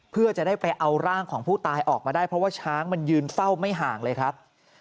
เพื่อจะได้ไปเอาร่างของผู้ตายออกมาได้เพราะว่าช้างมันยืนเฝ้าไม่ห่างเลยครับ